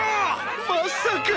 まさか！